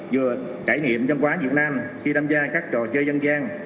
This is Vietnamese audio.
vừa trải nghiệm trong quán việt nam khi đam gia các trò chơi dân gian